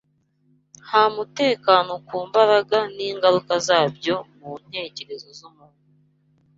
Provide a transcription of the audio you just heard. Nta mutekano ku mbaraga n’ingaruka zabyo mu ntekerezo z’umuntu